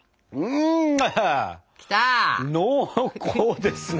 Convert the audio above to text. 濃厚ですね。